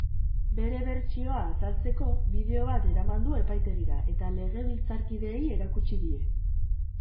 Bere bertsioa azaltzeko bideo bat eraman du epaitegira eta legebiltzarkideei erakutsi die.